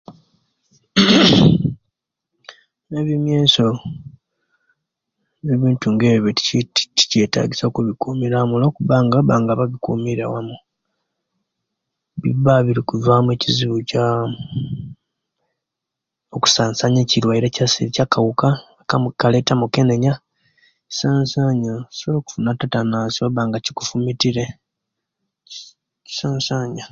Kmkmkmkm nebimweso nebintu nga ebyo tikitikyetagisia okubikuumira owamu olwokubanga oba nga babikuumira wamu, biba birikuvamu ekizibi kyaa kusansanya ekirwaire kyas kyakaauka kamu kaleeta omukenenya, kusansaanya sowola kufuna tetenusi owekiba nga kikufumitire kisansaanya.